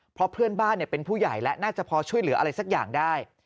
เพราะเพื่อนบ้านเป็นผู้ใหญ่และน่าจะพอช่วยเหลืออะไรสักอย่างได้